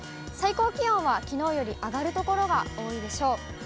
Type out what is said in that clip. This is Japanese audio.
最高気温はきのうより上がる所が多いでしょう。